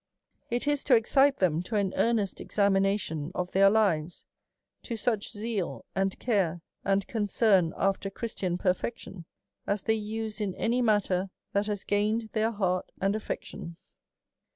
It is to excite them to an earnest examination of their lives, to such zeal, and care, and concern after Christian perfection, as they use in any matter that has gained their heart and aifections.